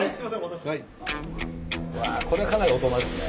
これはかなり大人ですね。